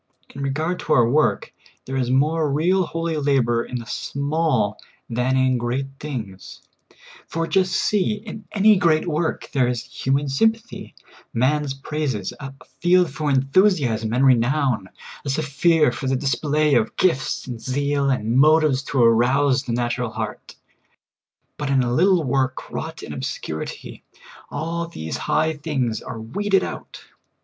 In regard to our work, there is more real holy labor in the small than in great things ; for just see, in any great work there is human sympathy, man's praises, a field for enthusiasm and renown, a sphere for the dis play of gifts and zeal, and motives to arouse the natu ral heart ; but in a little work wrought in obscurity, all these high things are weeded out.